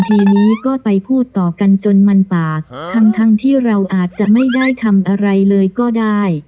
ทีนี้ก็ไปพูดต่อกันจนมันปากทั้งที่เราอาจจะไม่ได้ทำอะไรเลยก็ได้